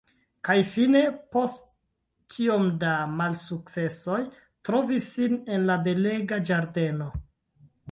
Kaj fine —post tiom da malsukcesoj—trovis sin en la belega ĝardeno.